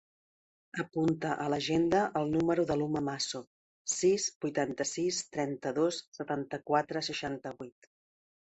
Apunta a l'agenda el número de l'Uma Masso: sis, vuitanta-sis, trenta-dos, setanta-quatre, seixanta-vuit.